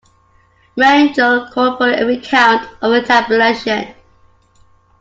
Rangel called for a recount of the tabulation.